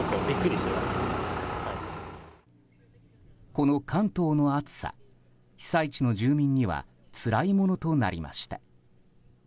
この関東の暑さ被災地の住民にはつらいものとなりました。